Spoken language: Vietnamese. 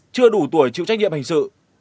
chưa đủ tuổi chịu trách nhiệm hành sự